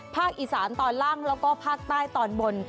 ภาคอีสานตอนล่างแล้วก็ภาคใต้ตอนบน